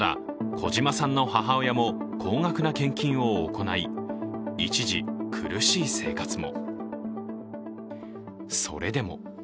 小嶌さんの母親も高額な献金を行い、一時、苦しい生活も。